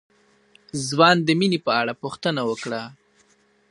ځوان د مينې په اړه پوښتنه وکړه.